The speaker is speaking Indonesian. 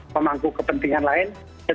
memangku kepentingan lain